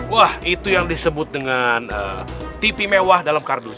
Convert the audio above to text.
wah itu yang disebut dengan tv mewah dalam kardus